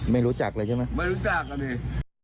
ไม่รู้จักเลยใช่ไหมไม่รู้จักกันเนี่ย